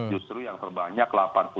justru yang terbanyak